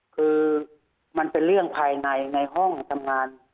คือมันเป็นเรื่องภายในในห้องทำงาน